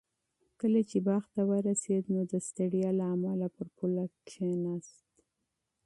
کله چې باغ ته ورسېد نو د ستړیا له امله پر پوله کېناست.